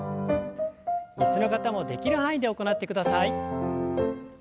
椅子の方もできる範囲で行ってください。